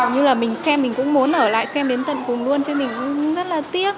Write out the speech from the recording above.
như là mình xem mình cũng muốn ở lại xem đến tận cùng luôn chứ mình cũng rất là tiếc